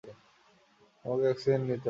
তোমাকে অক্সিজেন নিতে হবে।